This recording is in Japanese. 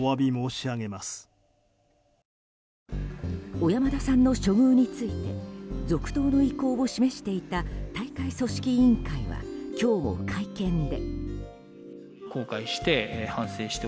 小山田さんの処遇について続投の意向を示していた大会組織委員会は今日も会見で。